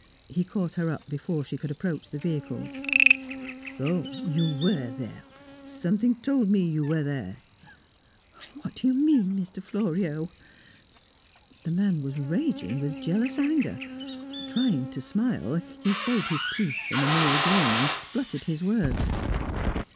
He caught her up before she could approach the vehicles. "So you were there! Something told me you were there!" "What do you mean, Mr. Florio?" The man was raging with jealous anger; trying to smile, he showed his teeth in a mere grin, and sputtered his words.